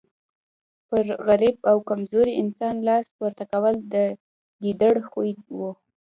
پر غریب او کمزوري انسان لاس پورته کول د ګیدړ خوی وو.